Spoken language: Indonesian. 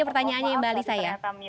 pertanyaannya mbak alisa ya